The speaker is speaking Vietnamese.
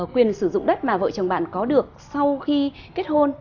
quyền sử dụng đất mà vợ chồng bạn có được sau khi kết hôn